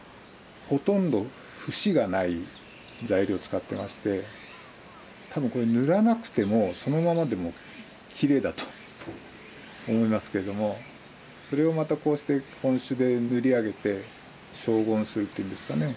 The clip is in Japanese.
ほとんど節がない材料使ってまして多分これ塗らなくてもそのままでもきれいだと思いますけどもそれをまたこうして本朱で塗り上げて荘厳するっていうんですかね